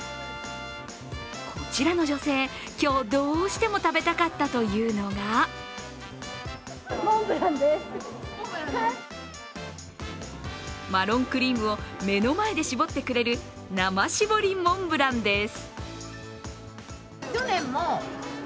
こちらの女性、今日、どうしても食べたかったというのがマロンクリームを目の前で絞ってくれる生絞りモンブランです。